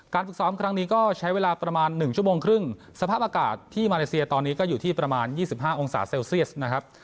ฝึกซ้อมครั้งนี้ก็ใช้เวลาประมาณ๑ชั่วโมงครึ่งสภาพอากาศที่มาเลเซียตอนนี้ก็อยู่ที่ประมาณ๒๕องศาเซลเซียสนะครับ